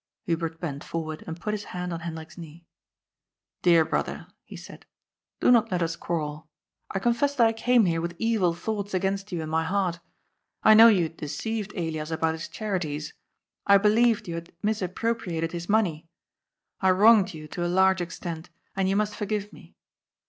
Hubert bent forward and put his hand on Hendrik's knee. " Dear brother," he said, *' do not let us quarrel. 1 confess that I came here with evil thoughts against you in my heart. 1 knew you had deceived Elias about his chari ties. I believed you had misappropriated his money. I wronged you to a large extent, and you must forgive me.